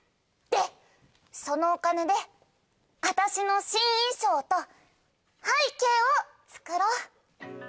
でそのお金で私の新衣装と背景を作ろう！